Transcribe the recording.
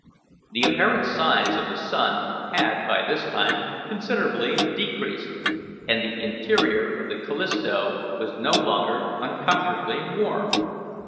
The apparent size of the sun had by this time considerably decreased, and the interior of the Callisto was no longer uncomfortably warm.